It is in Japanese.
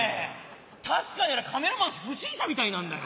確かにあれカメラマン不審者みたいなんだよ。